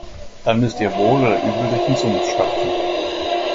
Dann müsst ihr wohl oder übel durch den Sumpf stapfen.